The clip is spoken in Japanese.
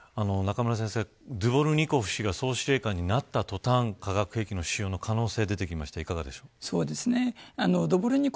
ドゥボルニコフ氏が総司令官になった途端に化学兵器の使用の可能性が出てきましたが、どうですか。